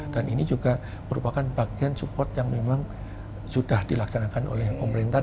dan ini juga merupakan bagian support yang memang sudah dilaksanakan oleh pemerintah